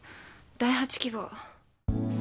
第８希望。